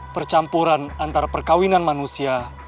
percampuran antara perkawinan manusia